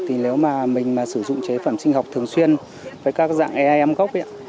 thì nếu mà mình sử dụng chế phẩm sinh học thường xuyên với các dạng aim gốc